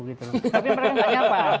gitu loh tapi mereka gak nyapa